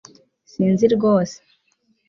Sinzi rwose